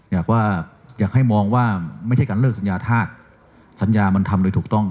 อยากว่าอยากให้มองว่าไม่ใช่การเลิกสัญญาธาตุสัญญามันทำโดยถูกต้อง